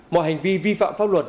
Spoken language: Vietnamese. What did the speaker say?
mọi hành vi vi phạm pháp luật